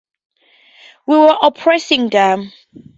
We were 'oppressing' them.